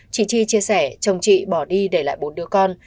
chị chi chia sẻ chồng chị bỏ đi để lại bốn đứa con